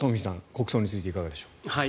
国葬についていかがでしょう。